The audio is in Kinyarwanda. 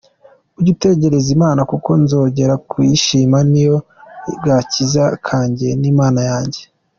Ujye utegereza Imana kuko nzongera kuyishima, Ni yo gakiza kanjye n’Imana yanjye.